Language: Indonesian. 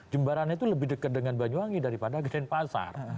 jembarannya itu lebih dekat dengan banyuwangi daripada geden pasar